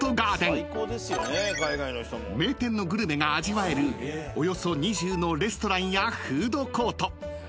［名店のグルメが味わえるおよそ２０のレストランやフードコート］